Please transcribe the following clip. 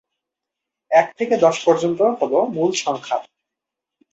এক থেকে দশ পর্যন্ত হল মূল সংখ্যা।